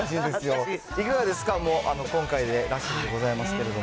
いかがですか、今回でラストでございますけれども。